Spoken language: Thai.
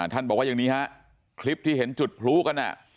บอกว่าอย่างนี้ฮะคลิปที่เห็นจุดพลุกัน